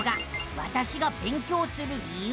「わたしが勉強する理由」。